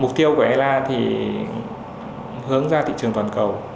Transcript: mục tiêu của eula thì hướng ra thị trường toàn cầu